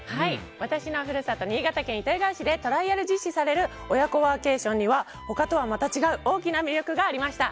私の故郷、新潟県糸魚川市でトライアル実施される親子ワーケーションには他とはまた違う大きな魅力がありました。